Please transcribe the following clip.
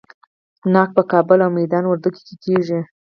ناک په کابل او میدان وردګو کې کیږي.